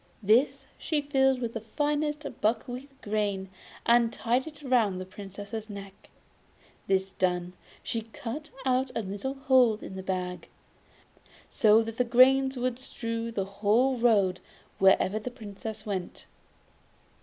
This she filled with the finest buckwheat grains, and tied it round the Princess' neck; this done, she cut a little hole in the bag, so that the grains would strew the whole road wherever the Princess went.